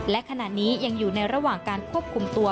และขณะนี้ยังอยู่ในระหว่างการควบคุมตัว